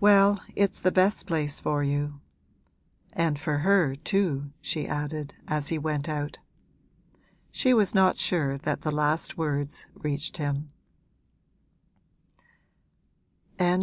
'Well, it's the best place for you. And for her too!' she added as he went out. She was not sure that the last words reached him.